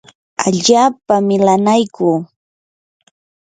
allaapa milanaykuu.